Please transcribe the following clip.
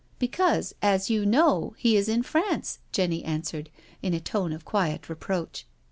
" Because, as you know, he is in France," Jenny answered, in a tone of quiet reproach.